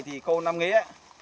thì cô nam nghĩa